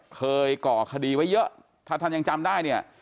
ก่อคดีไว้เยอะถ้าท่านยังจำได้เนี่ย